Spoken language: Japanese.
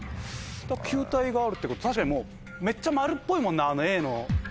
だから球体があるってこと確かにもうめっちゃ丸っぽいもんなあのＡの。